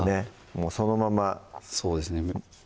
もうそのままそうですね